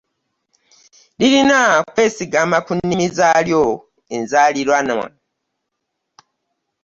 Lirina kwesigama ku nnimi zaalyo enzaaliranwa